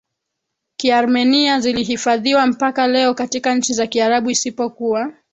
Kiarmenia zilihifadhiwa mpaka leo katika nchi za Kiarabu isipokuwa